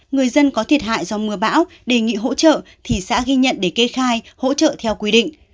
người dân có thiệt hại do mưa bão đề nghị hỗ trợ thì xã ghi nhận để kê khai hỗ trợ theo quy định